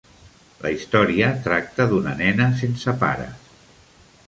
La història tracta d'una nena sense pares.